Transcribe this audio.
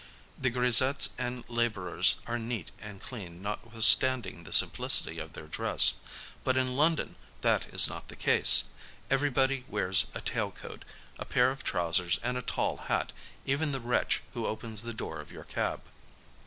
The grisettes and labourers are neat and clean notwithstanding the simplicity of their dress; but in London that is not the case: everybody wears a tail coat, a pair of trousers and a tall hat, even the wretch who opens the door of your cab.